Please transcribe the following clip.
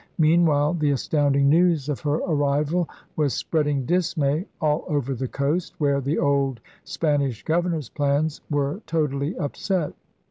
Meanwhile the astounding news of her arrival was spreading dismay all over the coast, where the old Spanish governor's plans were totally upset.